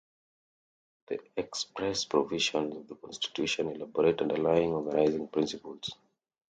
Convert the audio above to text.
The express provisions of the Constitution elaborate underlying, organizing principles.